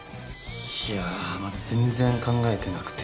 いやまだ全然考えてなくて。